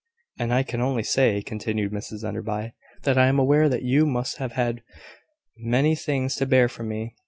"And I can only say," continued Mrs Enderby, "that I am aware that you must have had many things to bear from me.